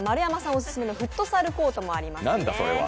オススメのフットサルコートもありますね。